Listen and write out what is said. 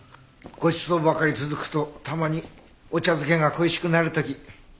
ごちそうばかり続くとたまにお茶漬けが恋しくなる時。